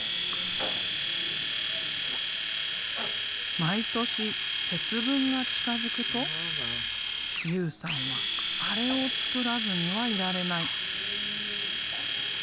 毎年節分が近づくと雄さんはあれを作らずにはいられない。